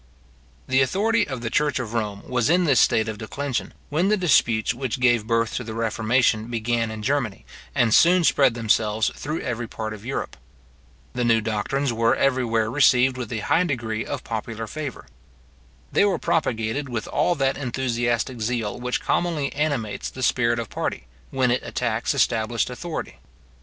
The authority of the church of Rome was in this state of declension, when the disputes which gave birth to the reformation began in Germany, and soon spread themselves through every part of Europe. The new doctrines were everywhere received with a high degree of popular favour. They were propagated with all that enthusiastic zeal which commonly animates the spirit of party, when it attacks established authority.